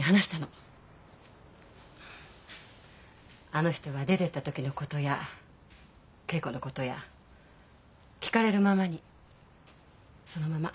あの人が出てった時のことや桂子のことや聞かれるままにそのまま。